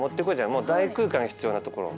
もう大空間が必要なところを。